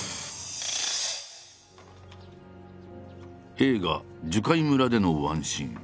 映画「樹海村」でのワンシーン。